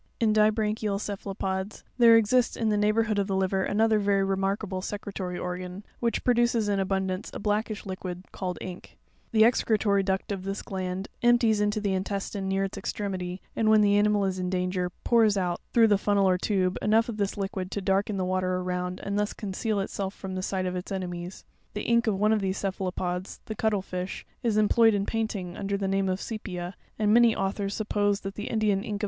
8. In dibranchial cephalopods, there exists in the neighbour hood of the liver another very remarkable secretory organ, which produces in abundance a blackish liquid, called ink; the excre tory duct of this gland (fig. 10, e) empties into the intestine near its extremity, and, when the animal is in danger, pours out, through the funnel or tube, enough of this liquid to darken the water around, and thus conceal itself from the sight of its ene mies. 'The ink of one of these cephalopods—the cuttle fish—is employed in painting, under the name of sepia; and many au thors suppose that the Indian ink of.